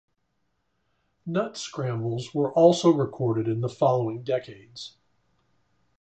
Nut scrambles were also recorded in the following decades.